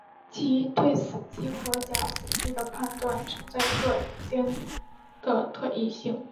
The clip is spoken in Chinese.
即对死机和假死机的判断存在各人间的特异性。